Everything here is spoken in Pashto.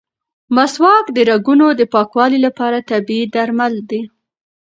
مسواک د رګونو د پاکوالي لپاره طبیعي درمل دي.